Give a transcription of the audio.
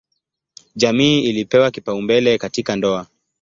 Jamii ilipewa kipaumbele katika ndoa.